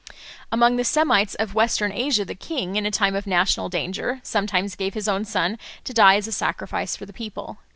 Among the Semites of Western Asia the king, in a time of national danger, sometimes gave his own son to die as a sacrifice for the people.